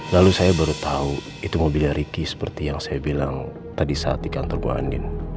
lalu saya baru tahu itu mobilnya ricky seperti yang saya bilang tadi saat di kantor bu andin